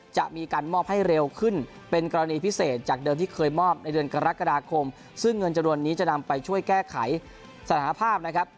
จะมีการมอบให้เร็วขึ้นเป็นกรณีพิเศษจากเดิมที่เคยมอบในเดือนกรกฎาคมซึ่งเงินจำนวนนี้จะนำไปช่วยแก้ไขสถานภาพนะครับ